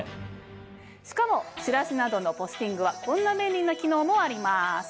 しかもチラシなどのポスティングはこんな便利な機能もあります。